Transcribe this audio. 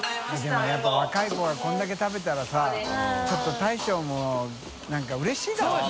任やっぱ若い子がこれだけ食べたらさ舛腓辰大将もなんかうれしいだろうね。